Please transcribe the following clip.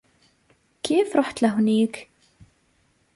كيف رحت لهونيك ؟